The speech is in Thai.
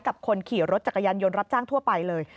กับคนขี่รถจักรยานยนต์รับจ้างทั่วไปเลย